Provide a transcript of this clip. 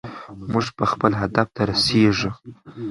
موږ به خپل هدف ته رسیږو.